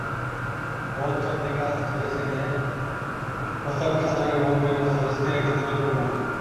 Coach Chandika Hathurusingha প্রস্তাবটা সাদরে গ্রহণ করে মুস্তাফিজকে রেখে দিলেন খুলনায়।